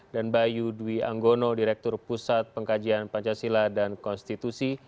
dan bayu dwi anggono direktur pusat pengkajian pancasila dan konstitusi